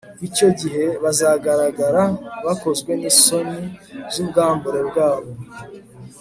icyo gihe bazagaragara bakozwe nisoni zubwambure bwabo